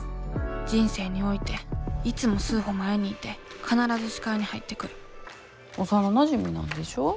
人生においていつも数歩前にいて必ず視界に入ってくる幼なじみなんでしょ？